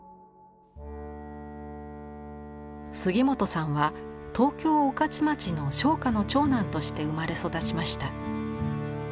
杉本さんは東京・御徒町の商家の長男として生まれ育ちました。